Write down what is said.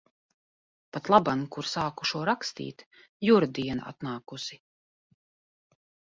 Patlaban, kur sāku šo rakstīt, Jura diena atnākusi.